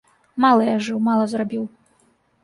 Мала я жыў, мала зрабіў.